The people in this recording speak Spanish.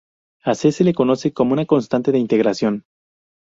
A "C" se le conoce como "constante de integración".